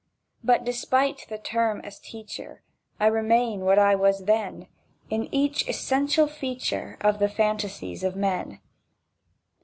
But despite the term as teacher, I remain what I was then In each essential feature Of the fantasies of men.